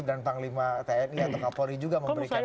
dan panglima tni atau kapolri juga